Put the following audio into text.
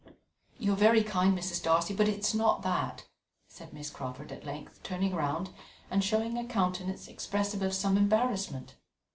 "You are very kind, Mrs. Darcy, but it is not that," said Miss Crawford, at length turning round and showing a countenance expressive of some embarrassment.